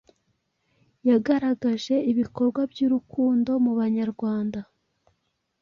yagaragaje ibikorwa by’urukundo mu Banyarwanda